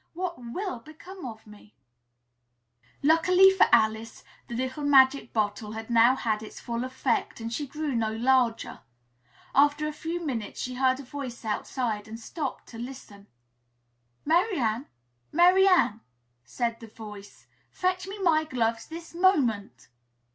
What will become of me?" Luckily for Alice, the little magic bottle had now had its full effect and she grew no larger. After a few minutes she heard a voice outside and stopped to listen. "Mary Ann! Mary Ann!" said the voice. "Fetch me my gloves this moment!"